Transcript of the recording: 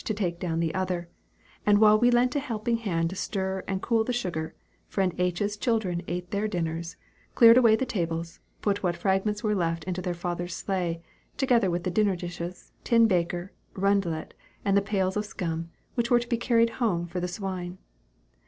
to take down the other; and while we lent a helping hand to stir and cool the sugar, friend H.'s children ate their dinners, cleared away the tables, put what fragments were left into their father's sleigh, together with the dinner dishes, tin baker, rundlet, and the pails of scum, which were to be carried home for the swine.